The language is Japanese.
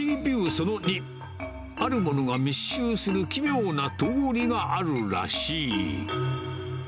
その２、あるモノが密集する奇妙な通りがあるらしい。